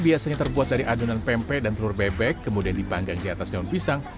biasanya terbuat dari adonan pempek dan telur bebek kemudian dipanggang di atas daun pisang